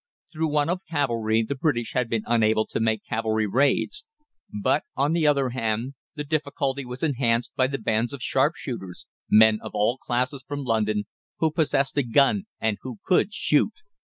Through want of cavalry the British had been unable to make cavalry raids; but, on the other hand, the difficulty was enhanced by the bands of sharpshooters men of all classes from London who possessed a gun and who could shoot.